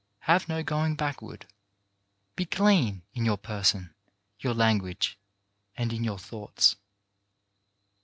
Have no going backward. Be clean, in your person, your language and in your thoughts.